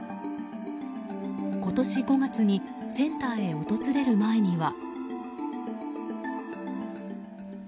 今年５月にセンターへ訪れる前には。